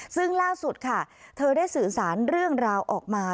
ซึ่งล่าสุดค่ะเธอได้สื่อสารเรื่องราวออกมา